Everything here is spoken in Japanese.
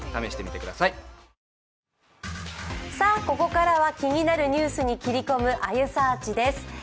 ここからは気になるニュースに切り込む「あゆサーチ」です。